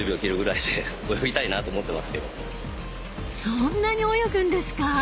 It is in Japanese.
そんなに泳ぐんですか？